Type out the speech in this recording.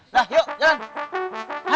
dah yuk jalan